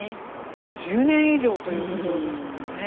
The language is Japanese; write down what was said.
１０年以上ということですもんね。